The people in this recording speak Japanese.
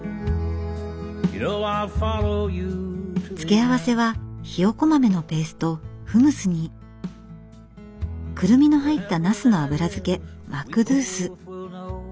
付け合わせはひよこ豆のペーストフムスにクルミの入ったナスの油漬けマクドゥース。